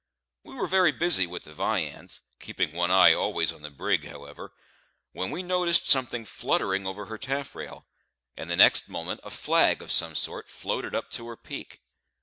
We were very busy with the viands, keeping one eye always on the brig however, when we noticed something fluttering over her taffrail; and the next moment a flag of some sort floated up to her peak.